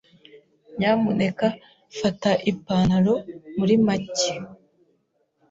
Nyamuneka fata ipantaro muri make.